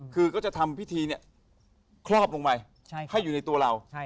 คือก็จะทำพิธีเนี่ยครอบลงไปให้อยู่ในตัวเรา